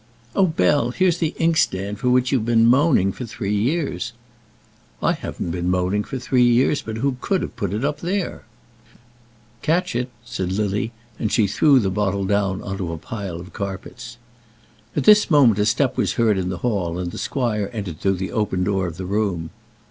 "Oh, Bell, here's the inkstand for which you've been moaning for three years." [ILLUSTRATION: "Bell, here's the inkstand."] "I haven't been moaning for three years; but who could have put it up there?" "Catch it," said Lily; and she threw the bottle down on to a pile of carpets. At this moment a step was heard in the hall, and the squire entered through the open door of the room.